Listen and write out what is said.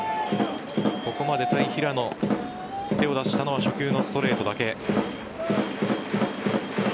ここまで対平野手を出したのは初球のストレートだけ。